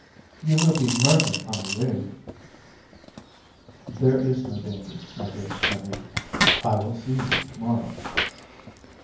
You will be murdered on the way." "There is no danger, my dear Nanine; I will see you to morrow."